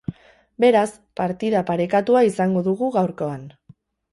Beraz, partida parekatuta izango dugu gaurkoan.